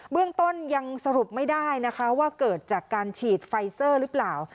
เรื่องต้นยังสรุปไม่ได้นะคะว่าเกิดจากการฉีดไฟเซอร์หรือเปล่า